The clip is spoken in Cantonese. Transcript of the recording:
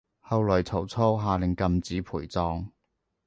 後來曹操下令禁止陪葬